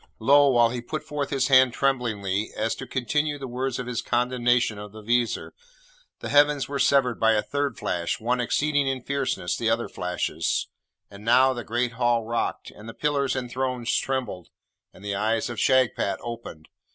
Lo, while he put forth his hand tremblingly, as to continue the words of his condemnation of the Vizier, the heavens were severed by a third flash, one exceeding in fierceness the other flashes; and now the Great Hall rocked, and the pillars and thrones trembled, and the eyes of Shagpat opened.